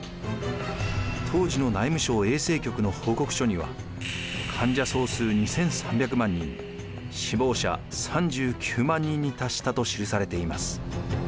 当時の内務省衛生局の報告書には患者総数２３００万人死亡者３９万人に達したと記されています。